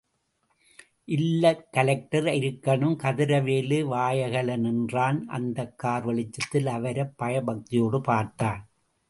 இல்ல கலெக்டர் இருக்கணும்... கதிர்வேலு வாயகல நின்றான்... அந்தக் கார் வெளிச்சத்தில் அவரைப் பயபக்தியோடு பார்த்தான்.